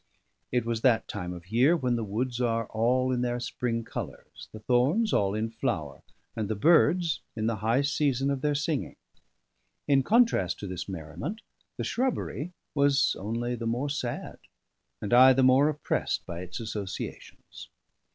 It was that time of year when the woods are all in their spring colours, the thorns all in flower, and the birds in the high season of their singing. In contrast to this merriment, the shrubbery was only the more sad, and I the more oppressed by its associations.